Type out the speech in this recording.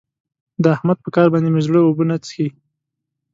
د احمد په کار باندې مې زړه اوبه نه څښي.